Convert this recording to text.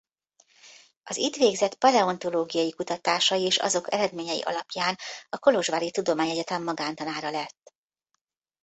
Az itt végzett paleontológiai kutatásai és azok eredményei alapján a Kolozsvári Tudományegyetem magántanára lett.